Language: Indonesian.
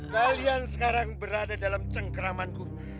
kalian sekarang berada dalam cengkramanku